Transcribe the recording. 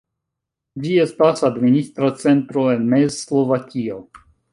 Ĝi estas administra centro en Mez-Slovakio.